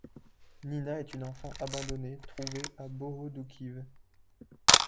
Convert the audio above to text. Nina est une enfant abandonnée, trouvée à Bohodoukhiv.